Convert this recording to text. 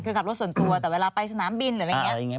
คือขับรถส่วนตัวแต่เวลาไปสนามบินหรืออะไรอย่างนี้